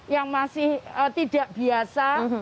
yang masih tidak biasa